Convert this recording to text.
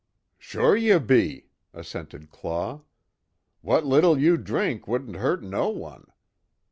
"Sure you be," assented Claw. "What little you drink wouldn't hurt no one.